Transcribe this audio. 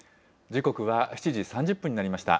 時刻は７時３０分になりました。